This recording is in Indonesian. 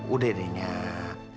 udah deh nyak